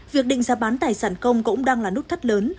việc định giá bán tài sản công cũng đang là nút thắt lớn